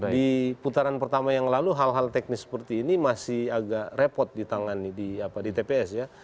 di putaran pertama yang lalu hal hal teknis seperti ini masih agak repot di tps ya